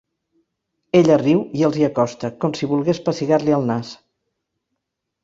Ella riu i els hi acosta, com si volgués pessigar-li el nas.